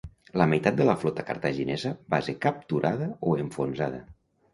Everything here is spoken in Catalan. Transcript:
La meitat de la flota cartaginesa va ser capturada o enfonsada.